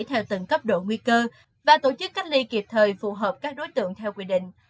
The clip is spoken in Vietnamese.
theo từng cấp độ nguy cơ và tổ chức cách ly kịp thời phù hợp các đối tượng theo quy định